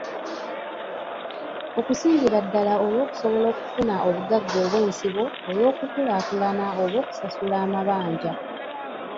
Okusingira ddala olw'okusobola okufuna obugagga obw'ensibo olw'okukulaakulana oba okusasula amabanja.